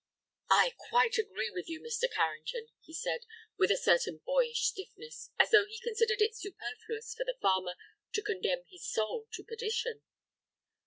"I quite agree with you, Mr. Carrington," he said, with a certain boyish stiffness, as though he considered it superfluous for the farmer to condemn his soul to perdition.